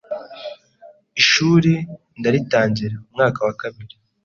ishuri ndaritangira, umwaka wa kabiri